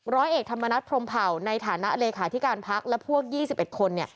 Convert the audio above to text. ร้อยเอกธรรมนัฐพรมเผ่าในฐานะเลขาธิการพักและพวก๒๑คน